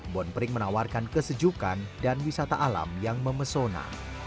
bon pring menawarkan kesejukan dan wisata alam yang memesona